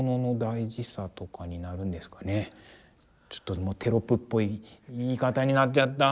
ちょっとテロップっぽい言い方になっちゃった。